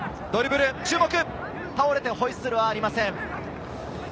ドリブル注目、倒れて、ホイッスルはありません。